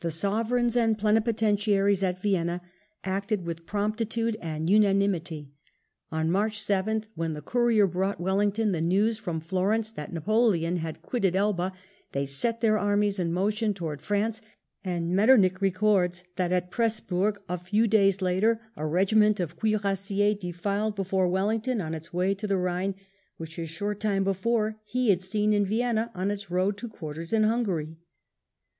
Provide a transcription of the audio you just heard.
The sovereigns and plenipotentiaries at Vienna acted with promptitude and unanimity. On March 7th, when the courier brought Wellington the news from Florence that Napoleon had quitted Elba, they set their armies in motion towards France, and Metternich records that at Presburg a few days later a regiment of cuirassiers defiled before Wellington on its way to the Ehine, which a short time before he had seen in Vienna on its road to quarters in Hungary.